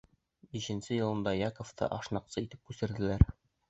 Бишенсе йылына Яковты ашнаҡсы итеп күсерҙеләр.